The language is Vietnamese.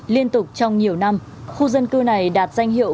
liên tục trong nhiều năm khu dân cư này đạt danh hiệu